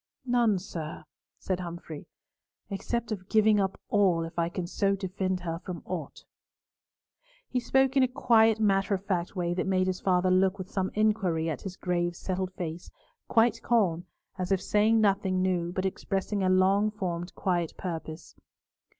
"None, sir," said Humfrey, "except of giving up all if I can so defend her from aught." He spoke in a quiet matter of fact way that made his father look with some inquiry at his grave settled face, quite calm, as if saying nothing new, but expressing a long formed quiet purpose.